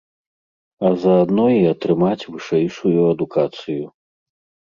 А заадно і атрымаць вышэйшую адукацыю.